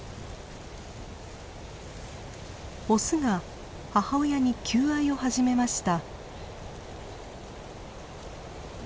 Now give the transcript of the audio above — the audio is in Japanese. オスが母親に求愛を始めました。